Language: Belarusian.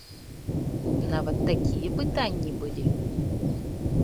Нават такія пытанні былі?